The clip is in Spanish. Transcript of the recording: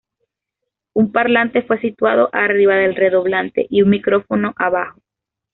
Un parlante fue situado arriba del redoblante, y un micrófono abajo.